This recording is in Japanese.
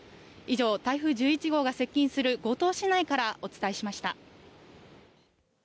以上、台風１１号が接近する五島市内からお伝えしました。